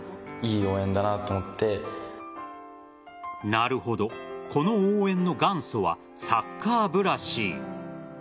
なるほど、この応援の元祖はサッカー部らしい。